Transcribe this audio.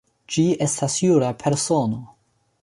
Ĝi estas jura persono.